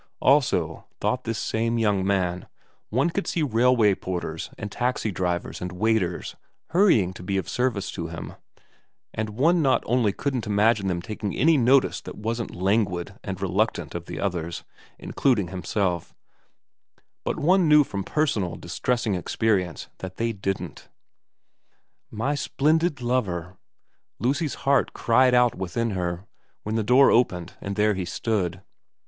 Also, thought this same young man, one could see railway porters and taxi drivers and waiters hurrying to be of service to him ; and one not only couldn't imagine them taking any notice that wasn't languid and reluctant of the others, including himself, but one knew from personal distressing experience that they didn't. ' My splendid lover !' Lucy's heart cried out within her when the door opened and there he stood.